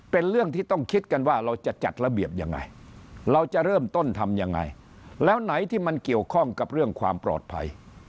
เป็นเรื่องที่ต้องคิดกันว่าเราจะจัดระเบียบยังไงเราจะเริ่มต้นทำยังไงแล้วไหนที่มันเกี่ยวข้องกับเรื่องความปลอดภัย